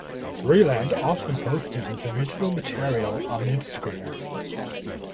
Breland often posted his original material on Instagram.